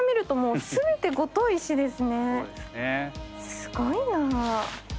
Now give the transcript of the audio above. すごいな。